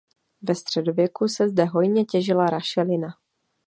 Ve středověku se zde hojně těžila rašelina.